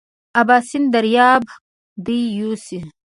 اباسین دریاب دې یوسي.